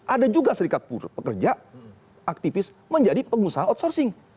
ada juga serikat pekerja aktivis menjadi pengusaha outsourcing